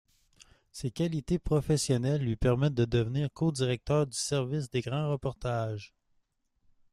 Ses qualités professionnelles lui permettent de devenir codirecteur du service des grands reportages.